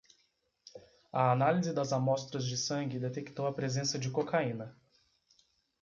A análise das amostras de sangue detectou a presença de cocaína